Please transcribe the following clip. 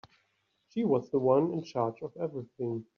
She was the one in charge of everything.